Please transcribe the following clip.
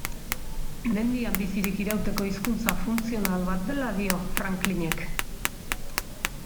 Mendian bizirik irauteko hizkuntza funtzional bat dela dio Franklinek.